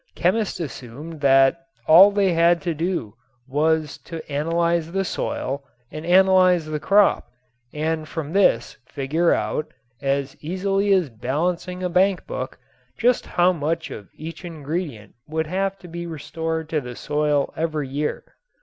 Chemists assumed that all they had to do was to analyze the soil and analyze the crop and from this figure out, as easily as balancing a bank book, just how much of each ingredient would have to be restored to the soil every year.